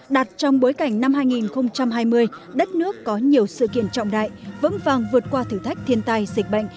đạt trong bối cảnh năm hai nghìn hai mươi đất nước có nhiều sự kiện trọng đại vững vàng vượt qua thử thách thiên tai dịch bệnh